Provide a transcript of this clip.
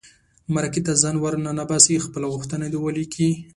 مرکې ته ځان ور ننباسي خپله غوښتنه دې ولیکي.